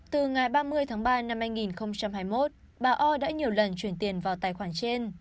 từ ngày ba mươi tháng ba năm hai nghìn hai mươi một bà o đã nhiều lần chuyển tiền vào tài khoản trên